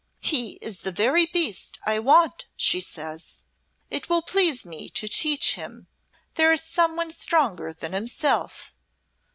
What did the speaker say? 'He is the very beast I want,' she says. 'It will please me to teach him there is someone stronger than himself.'